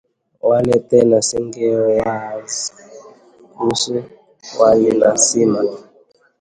Wala tena singewaza, kuhusu wali na sima